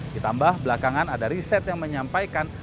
ditambah belakangan ada riset yang menyampaikan